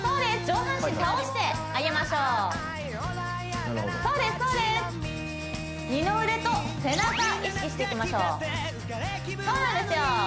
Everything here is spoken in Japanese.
上半身倒してあげましょうなるほどそうですそうです二の腕と背中意識していきましょうそうなんですよ